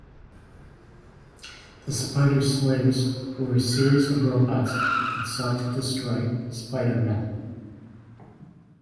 The Spider-Slayers were a series of robots that sought to destroy Spider-Man.